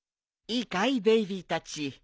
いいかいベイビーたち。